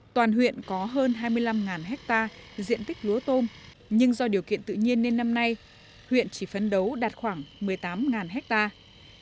toàn huyện có hơn hai mươi năm hectare diện tích lúa tôm nhưng do điều kiện tự nhiên nên năm nay huyện chỉ phấn đấu đạt khoảng một mươi tám hectare